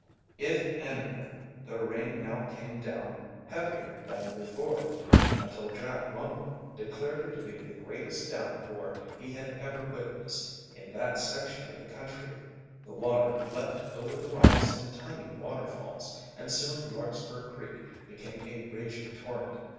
If anything, the rain now came down heavier than before, until Jack Wumble declared it to be the greatest downpour he had ever witnessed in that section of the country. The water leaped over the rocks in tiny waterfalls, and soon Larkspur Creek became a raging torrent.